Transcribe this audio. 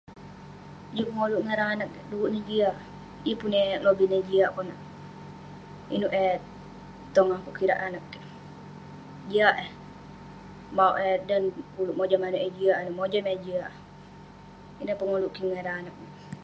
Juk pengoluk kik ngan ireh anag keik du'kuk neh jiak, yeng pun eh lobih neh jiak konak..inouk eh tong akouk kirak anag kik, jiak eh..mauk eh dan ulouk mojam manouk eh jiak ineh, mojam eh jiak..ineh pengoluk kik ngan ireh anag..